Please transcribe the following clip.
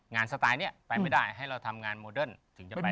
สไตล์นี้ไปไม่ได้ให้เราทำงานโมเดิร์นถึงจะไป